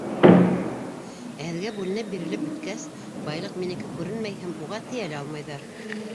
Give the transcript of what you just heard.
Ә һеҙгә бүленеп бирелеп бөткәс, байлыҡ минеке күренмәй һәм уға тейә лә алмайҙар.